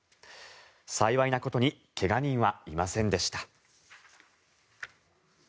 幸いなことに怪我人はいませんでした。